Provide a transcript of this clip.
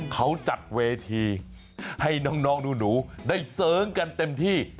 เขาจัดเวทีให้น้องหนูได้เสริงกันเต็มที่